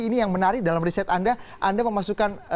ini yang menarik dalam riset anda anda memasukkan